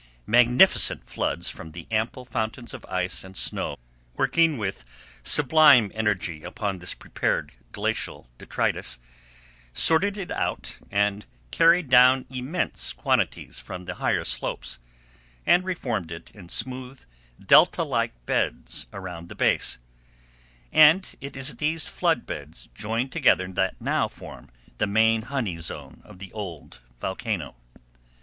Magnificent floods from the ample fountains of ice and snow working with sublime energy upon this prepared glacial detritus, sorted it out and carried down immense quantities from the higher slopes, and reformed it in smooth, delta like beds around the base; and it is these flood beds joined together that now form the main honey zone of the old volcano.